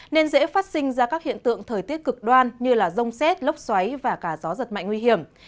nên dễ phát sinh ra các hiện tượng thời tiết cực đoan như rông xét lốc xoáy và cả gió giật mạnh nguy hiểm